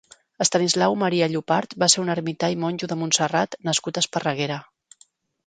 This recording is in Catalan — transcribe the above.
Estanislau Maria Llopart va ser un ermità i monjo de Montserrat nascut a Esparreguera.